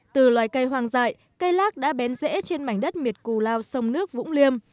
từ loài cây hoàng dại cây lác đã bén rễ trên mảnh đất miệt cù lao sông nước vũng liêm